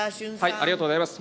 ありがとうございます。